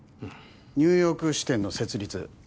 ニューヨーク支店の設立